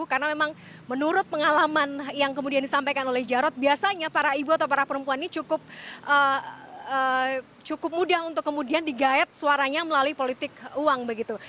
karena memang menurut pengalaman yang kemudian disampaikan oleh jarod biasanya para ibu atau para perempuan ini cukup mudah untuk kemudian digayat suaranya melalui politik uang begitu